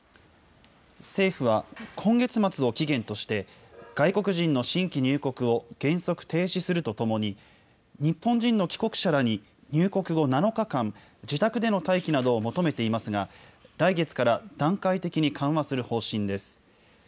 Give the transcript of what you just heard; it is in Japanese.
政府は今月末を期限として、外国人の新規入国を原則停止するとともに、日本人の帰国者らに入国後７日間、自宅での待機などを求めていますが、来月から段階的に緩和する方針です。